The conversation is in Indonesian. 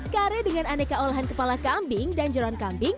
kare dengan aneka olahan kepala kambing dan jeruan kambing